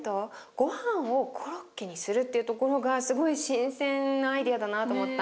ごはんをコロッケにするっていうところがすごい新鮮なアイデアだなと思った。